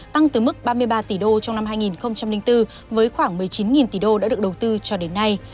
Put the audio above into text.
tăng từ mức ba mươi ba tỷ đô trong năm hai nghìn bốn với khoảng một mươi chín tỷ đô đã được đầu tư cho đến nay